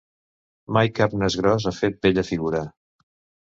Mai cap nas gros ha fet bella figura.